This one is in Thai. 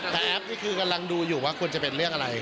แต่แอปนี่คือกำลังดูอยู่ว่าควรจะเป็นเรื่องอะไร